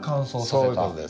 そういう事です。